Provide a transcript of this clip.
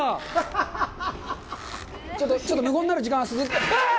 ちょっと無言になる時間わぁ！